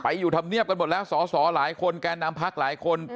ไปอยู่ทำเนียบกันหมดแล้วสอหลายคนการนำพักหลายคน